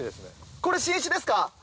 これ新種ですよ。